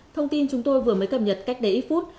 thông tin chúng tôi vừa mới cập nhật cách đây ít phút